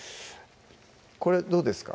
これどうですか？